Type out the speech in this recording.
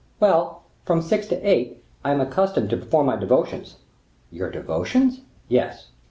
"Well, from six to eight, I am accustomed to perform my devotions." "Your devotions?" "Yes."